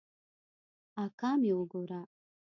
اکا مې وګوره.